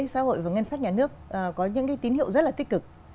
xã hội và ngân sách nhà nước có những tín hiệu rất tích cực